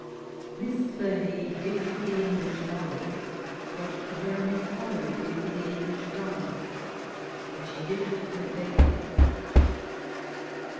Miss Burney did for the English novel what Jeremy[Pg 395] Collier did for the English drama; and she did it in a better way.